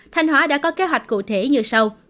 thanh hóa đã có kế hoạch cụ thể như sau